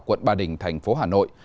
quận ba đình thành phố hà nội